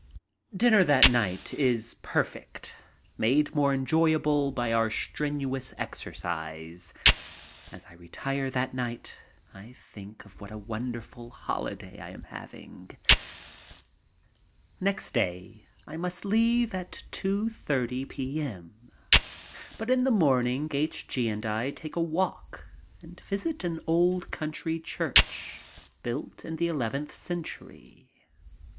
Dinner that night is perfect, made more enjoyable for our strenuous exercise. As I retire that night I think of what a wonderful holiday I am having. Next day I must leave at 2.30 p.m., but in the morning H. G. and I take a walk and visit an old country church built in the eleventh century.